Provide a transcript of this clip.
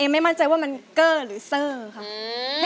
เอ็มไม่มั่นใจว่ามันเกอร์หรือเส้อค่ะ